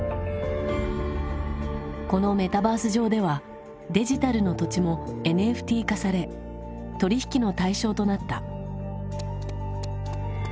このメタバース上ではデジタルの土地もＮＦＴ化され取引の対象となった。